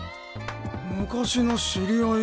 昔の知り合い？